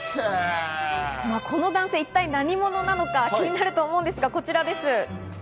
この男性、一体何者なのか気になると思うんですがこちらです。